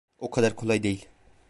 O kadar kolay değil.